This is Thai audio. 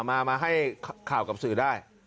มาให้ข่าวกับสื่อได้